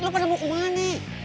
lo pada mau ke mana nih